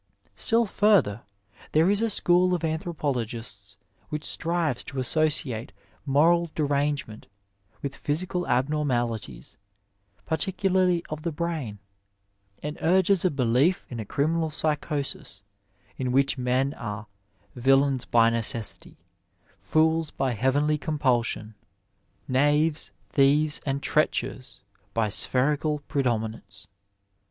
Still further ; there is a school of anthropologists which strives to associate moral derangement with phjrsical abnormali ties, particularly of the brain, and urges a belief in a cri minal psychosis, in which men are '^ villains by necessity, fools by heavenly compulsion, knaves, thieves, and treachers by spherical predominance."